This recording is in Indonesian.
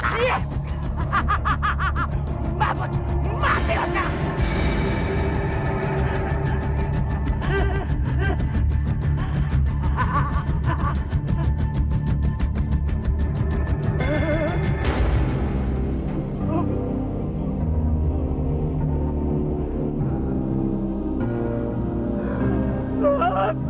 siapa ayo memastikan mereka mati sampai attract